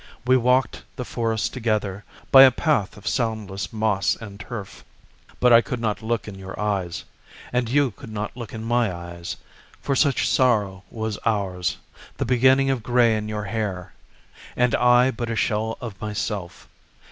We walked the forest together, By a path of soundless moss and turf. But I could not look in your eyes, And you could not look in my eyes, For such sorrow was ours—the beginning of gray in your hair. And I but a shell of myself.